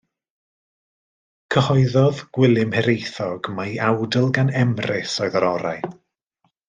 Cyhoeddodd Gwilym Hiraethog mai awdl gan Emrys oedd yr orau.